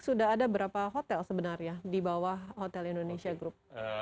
sudah ada berapa hotel sebenarnya di bawah hotel indonesia group